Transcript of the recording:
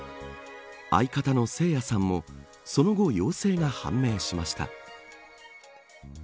相方のせいやさんもその後、陽性が判明しました。